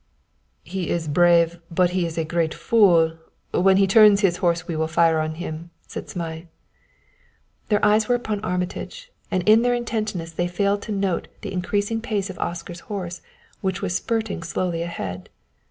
"He is brave, but he is a great fool. When he turns his horse we will fire on him," said Zmai. Their eyes were upon Armitage; and in their intentness they failed to note the increasing pace of Oscar's horse, which was spurting slowly ahead.